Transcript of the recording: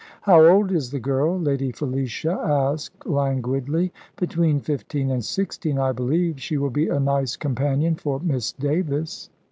"How old is the girl?" Lady Felicia asked languidly. "Between fifteen and sixteen, I believe. She will be a nice companion for Miss Davis."